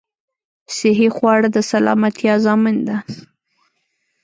صحې خواړه د سلامتيا ضامن ده